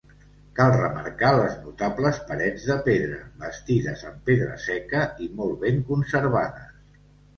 Cal remarcar les notables parets de pedra, bastides amb pedra seca i molt ben conservades.